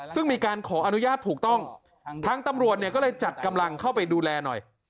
ซึ่งมีการขออนุญาตถูกต้องทางตำรวจเนี่ยก็เลยจัดกำลังเข้าไปดูแลหน่อย